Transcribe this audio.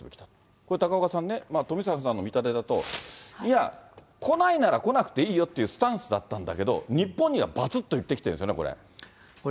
これ、高岡さんね、富坂さんの見立てだと、いや、来ないなら来なくていいよっていうスタンスだったんだけれども、日本にはばつっと言ってきてるんですよね、これ。